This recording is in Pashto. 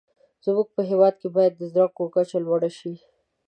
زموږ په هیواد کې باید د زده کړو کچه لوړه شې.